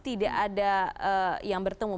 tidak ada yang bertemu